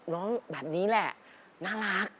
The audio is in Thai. ร้องแบบนี้แหละน่ารัก